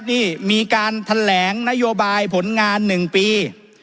นี่มีการแถลงนโยบายผลงาน๑ปี